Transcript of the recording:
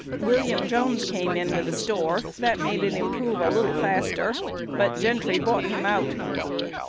William Jones came in with a store, that made it improve a little faster, but Gentry bought him out.